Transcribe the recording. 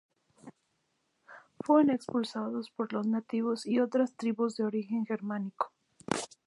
Fueron expulsados por los nativos y otras tribus de origen germánico.